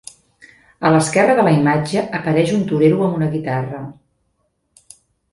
A l'esquerra de la imatge apareix un torero amb una guitarra.